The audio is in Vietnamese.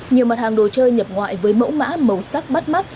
nhiều mặt hàng đồ chơi nhập ngoại với mẫu mã màu sắc bắt mắt